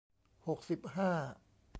หกสิบห้า